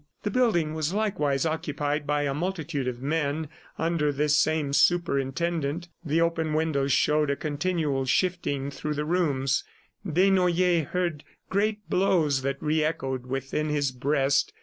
The building was likewise occupied by a multitude of men under this same superintendent. The open windows showed a continual shifting through the rooms. Desnoyers heard great blows that re echoed within his breast.